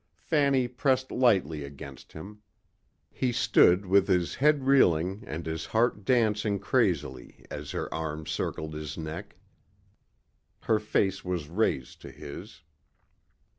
Fanny pressed lightly against him. He stood with his head reeling and his heart dancing crazily as her arms circled his neck. Her face was raised to his.